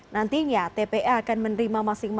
nantinya tpa akan menerima